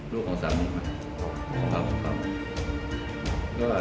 ลูกของสามนึงค่ะสำคัญ